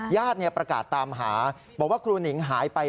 ญาติประกาศตามหาบอกว่าครูหนิงหายไป